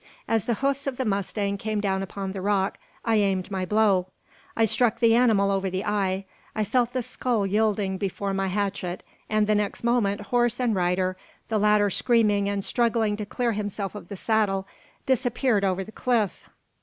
As the hoofs of the mustang came down upon the rock, I aimed my blow. I struck the animal over the eye. I felt the skull yielding before my hatchet, and the next moment horse and rider, the latter screaming and struggling to clear himself of the saddle, disappeared over the cliff.